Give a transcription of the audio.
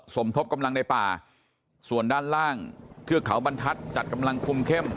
สมทบกำลังในป่าส่วนด้านล่างเทือกเขาบรรทัศน์จัดกำลังคุมเข้ม